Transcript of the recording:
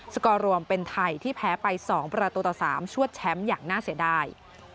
กอร์รวมเป็นไทยที่แพ้ไป๒ประตูต่อ๓ชวดแชมป์อย่างน่าเสียดาย